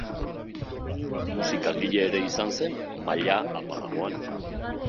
Musikagile ere izan zen, maila apalagoan.